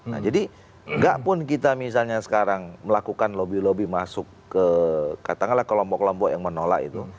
nah jadi nggak pun kita misalnya sekarang melakukan lobby lobby masuk ke katakanlah kelompok kelompok yang menolak itu